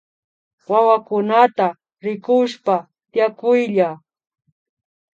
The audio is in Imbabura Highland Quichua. Wawakunata rikushpa tiakuylla